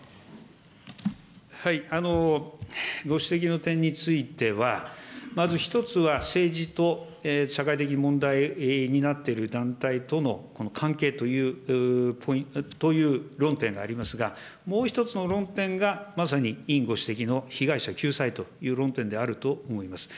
ご指摘の点については、まず１つは政治と社会的問題になっている団体との、この関係という論点がありますが、もう１つの論点が、まさに委員ご指摘の、被害者救済という論点であると思います。